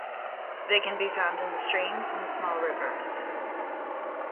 They can be found in streams and small rivers.